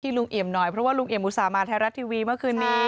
ลุงเอี่ยมหน่อยเพราะว่าลุงเอี่ยมอุตส่าห์มาไทยรัฐทีวีเมื่อคืนนี้